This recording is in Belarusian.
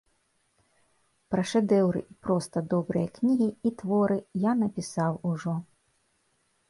Пра шэдэўры і проста добрыя кнігі і творы я напісаў ужо.